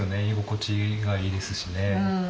居心地がいいですしね。